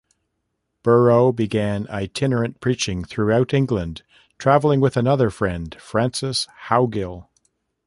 Burrough began itinerant preaching throughout England, travelling with another Friend, Francis Howgill.